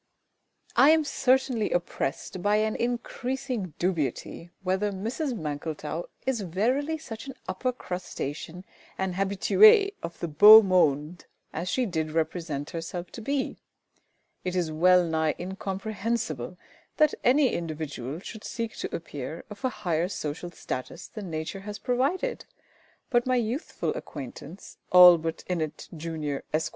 I am certainly oppressed by an increasing dubiety whether Mrs MANKLETOW is verily such an upper crustacean and habituée of the beau monde as she did represent herself to be. It is well nigh incomprehensible that any individual should seek to appear of a higher social status than Nature has provided; but my youthful acquaintance, ALLBUTT INNETT, Jun., Esq.